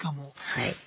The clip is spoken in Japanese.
はい。